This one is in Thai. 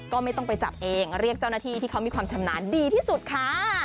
ก็ไม่ต้องไปจับเองเรียกเจ้าหน้าที่ที่เขามีความชำนาญดีที่สุดค่ะ